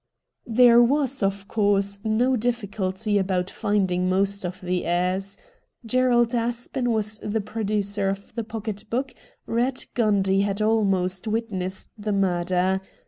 There was, of course, no difficulty about finding most of the heirs. Gerald Aspen was the producer of the pocket book ; Eatt Gundy had almost witnessed the murder.